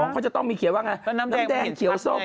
เขาจะต้องมีเขียนว่าไงน้ำแดงเขียวส้ม